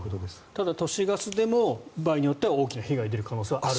ただ都市ガスでも場合によっては大きな被害が出る可能性はあると。